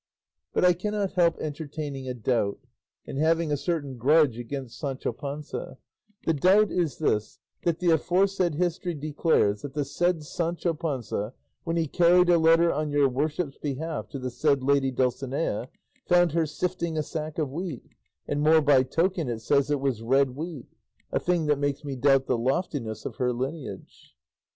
But I cannot help entertaining a doubt, and having a certain grudge against Sancho Panza; the doubt is this, that the aforesaid history declares that the said Sancho Panza, when he carried a letter on your worship's behalf to the said lady Dulcinea, found her sifting a sack of wheat; and more by token it says it was red wheat; a thing which makes me doubt the loftiness of her lineage."